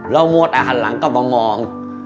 แล้วมัวแต่หันหลังกลับมามอง